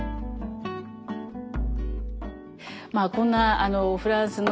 まあこんなフランスの。